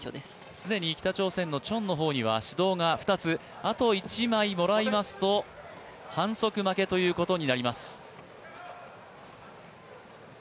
既にチョンの方には指導が２つあと１枚もらいますと、反則負けということになります。